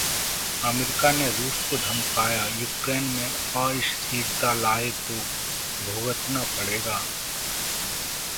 America ने रूस को धमकाया, यूक्रेन में अस्थिरता लाए तो भुगतना पड़ेगा